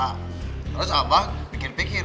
terus abah bikin pikir